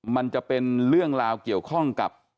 มันจะเป็นเรื่องราวเกี่ยวข้องกับ